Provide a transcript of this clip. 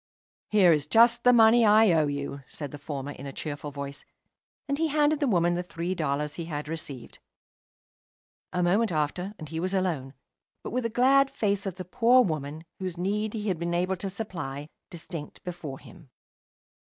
"Here is just the money I owe you," said the former, in a cheerful voice, and he handed the woman the three dollars he had received. A moment after and he was alone, but with the glad face of the poor woman, whose need he had been able to supply, distinct before him.